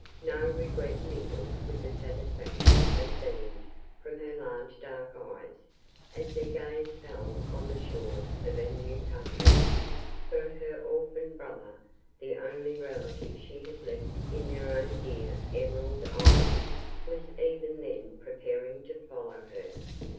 No regret mingled with the satisfaction that beamed from her large dark eyes, as their gaze fell on the shores of her new country, for her orphan brother, the only relative she had left in their own dear Emerald Isle, was even then preparing to follow her.